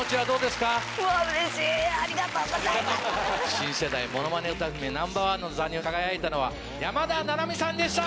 新世代ものまね歌姫Ｎｏ．１の座に輝いたのは山田七海さんでした。